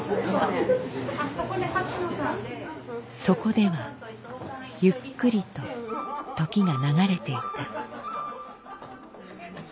そこではゆっくりと時が流れていた。